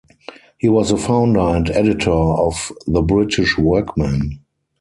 He was the founder and editor of "The British Workman".